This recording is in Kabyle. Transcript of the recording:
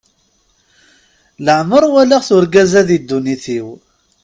Leɛmeṛ walaɣ-t urgaz-a di ddunit-iw.